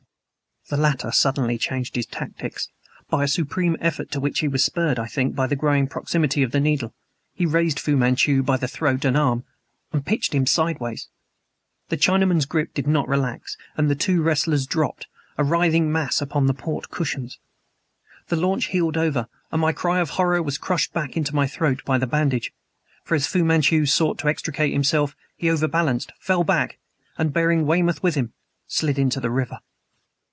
The latter suddenly changed his tactics. By a supreme effort, to which he was spurred, I think, by the growing proximity of the needle, he raised Fu Manchu by the throat and arm and pitched him sideways. The Chinaman's grip did not relax, and the two wrestlers dropped, a writhing mass, upon the port cushions. The launch heeled over, and my cry of horror was crushed back into my throat by the bandage. For, as Fu Manchu sought to extricate himself, he overbalanced fell back and, bearing Weymouth with him slid into the river!